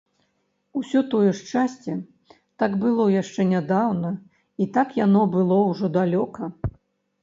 Усё тое шчасце так было яшчэ нядаўна і так яно было ўжо далёка.